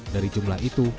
dari jumlah itu